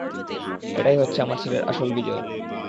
এটাই হচ্ছে আমার ছেলের আসল বিজয়।